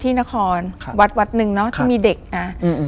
ที่นครครับวัดวัดหนึ่งเนอะที่มีเด็กอ่าอืม